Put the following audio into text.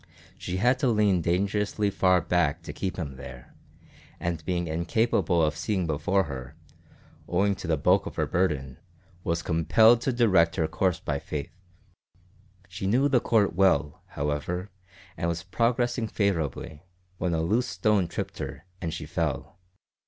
She had to lean dangerously far back to keep him there, and being incapable of seeing before her, owing to the bulk of her burden, was compelled to direct her course by faith. She knew the court well, however, and was progressing favourably, when a loose stone tripped her and she fell.